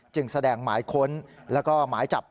จึงแสดงหมายค้นแล้วก็หมายจับ